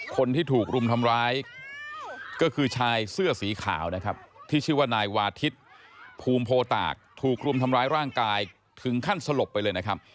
คนที่ถูกรุมทำร้ายก็คือชายเสื้อสีขาวนะครับที่ชื่อว่านายวาทิศภูมิโพตากถูกรุมทำร้ายร่างกายถึงขั้นสลบไปเลยนะครับ